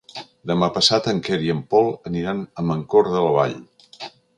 Demà passat en Quer i en Pol aniran a Mancor de la Vall.